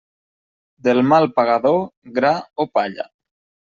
Del mal pagador, gra o palla.